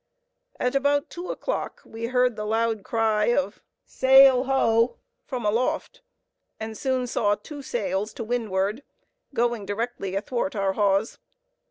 At about two o'clock we heard the loud cry of "Sail ho!" from aloft, and soon saw two sails to windward, going directly athwart our hawse.